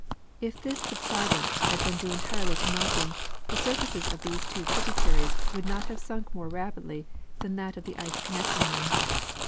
If this subsidence had been due entirely to melting, the surfaces of these two tributaries woiild not have sunk more rapidly than that of the ice connecting them.